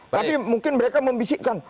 tapi mungkin mereka membisikkan